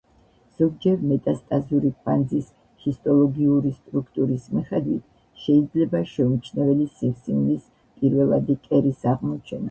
ზოგჯერ მეტასტაზური კვანძის ჰისტოლოგიური სტრუქტურის მიხედვით შეიძლება შეუმჩნეველი სიმსივნის პირველადი კერის აღმოჩენა.